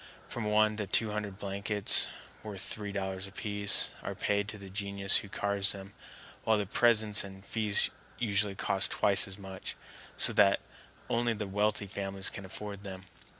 From one to two hundred blankets, worth three dollars apiece, are paid to the genius who carves them, while the presents and feast usually cost twice as much, so that only the wealthy families can afford them.